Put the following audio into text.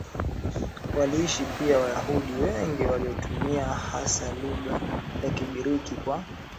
waliishi pia Wayahudi wengi waliotumia hasa lugha ya Kigiriki Kwa